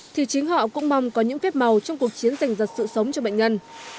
thì chính họ cũng mong có những phép màu trong cuộc chiến dành giật sự sống cho bệnh nhân